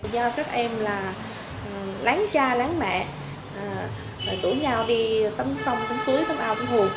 do các em là láng cha láng mẹ rồi đủ nhau đi tấm sông tấm suối tấm ao tấm hồ